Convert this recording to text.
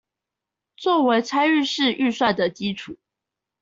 作為參與式預算的基礎